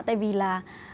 tại vì là